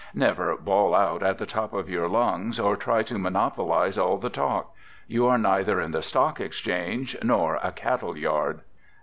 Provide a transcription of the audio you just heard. Never bawl out at the top of your lungs, or try to monopolize all the talk; you are neither in the stock exchange nor a cattle yard.